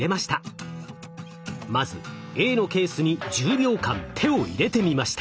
まずＡのケースに１０秒間手を入れてみました。